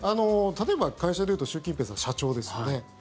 例えば会社でいうと習近平さん社長ですよね。